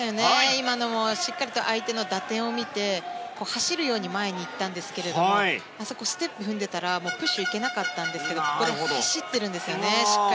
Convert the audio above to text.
今のもしっかりと相手の打点を見て走るように前に行ったんですがあそこステップを踏んでいたらプッシュいけなかったんですけどしっかり走ってるんですよね。